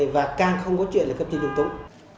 và càng không có chuyện thì cấp trên trung tống